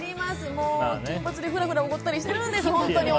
もう金髪でふらふらおごったりしているんですよ。